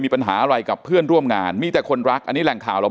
ปัญหาอะไรกับเพื่อนร่วมงานมีแต่คนรักอันนี้แหล่งข่าวเรา